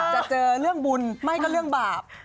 จะเจอเรื่องบุญไม่ก็เรื่องบาป